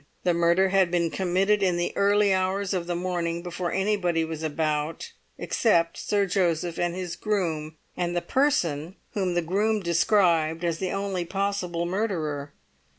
The murder had been committed in the early hours of the morning, before anybody was about except Sir Joseph and his groom, and the person whom the groom described as the only possible murderer.